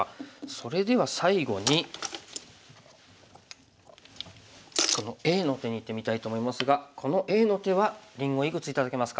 それでは最後にこのＡの手にいってみたいと思いますがこのＡの手はりんごいくつ頂けますか？